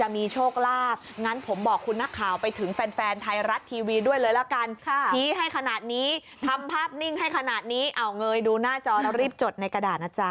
นี้ทำภาพนิ่งให้ขนาดนี้เอาเงยดูหน้าจอแล้วรีบจดในกระดาษนะจ๊ะ